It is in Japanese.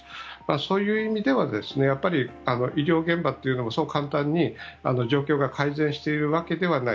そういう意味では医療現場というのはそう簡単に状況が改善しているわけではない。